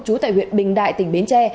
chú tại huyện bình đại tỉnh bến tre